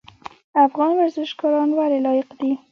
افغان ورزشکاران ولې لایق دي؟